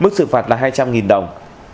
mức xử phạt là hai trăm linh đồng